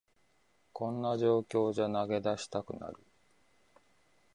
こんな状況じゃ投げ出したくなる